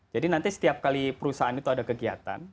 nanti setiap kali perusahaan itu ada kegiatan